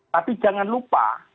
tapi jangan lupa